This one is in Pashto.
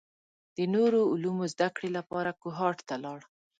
د نورو علومو زده کړې لپاره کوهاټ ته لاړ.